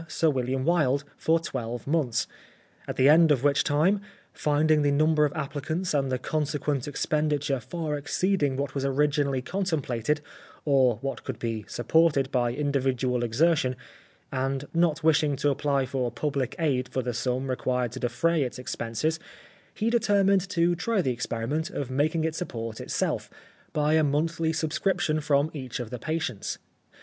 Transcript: Sir William Wilde for twelve months ; at the end of which time, finding the number of applicants and the consequent ex penditure far exceeding what was originally con 16 The Life of Oscar Wilde templated, or what could be supported by in dividual exertion, and not wishing to apply for public aid for the sum required to defray its expenses, he determined to try the experiment of making it support itself, by a monthly sub scription from each of the patients.